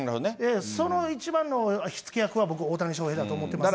その一番の火付け役は、僕、大谷翔平だと思ってますんで。